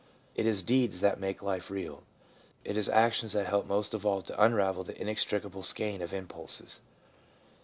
It is deeds that make life real. It is actions that help most of all to unravel the inextricable skein of impulses.